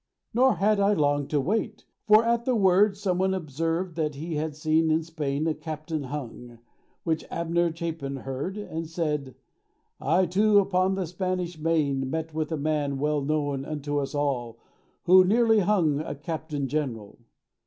Nor had I long to wait, for at the word Some one observed that he had seen in Spain A captain hung—which Abner Chapin heard And said, "I too upon the Spanish Main Met with a man well known unto us all, Who nearly hung a Captain General."